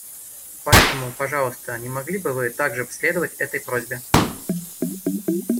Поэтому, пожалуйста, не могли бы Вы также следовать этой просьбе?